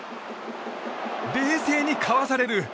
冷静にかわされる。